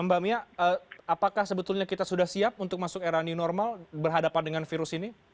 mbak mia apakah sebetulnya kita sudah siap untuk masuk era new normal berhadapan dengan virus ini